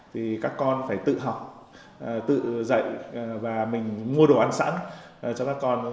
thì các con phải tự học tự dạy và mình mua đồ ăn sẵn cho các con